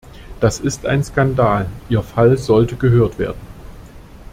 Das ist ein Skandal, ihr Fall sollte gehört werden.